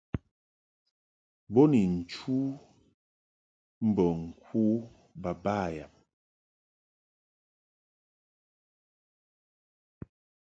Bo ni nchu mbo ŋku baba yab.